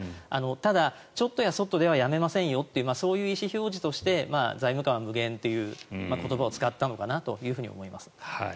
ただ、ちょっとやそっとではやめませんよというそういう意思表示として財務官は無限という言葉を使ったのかなと思います。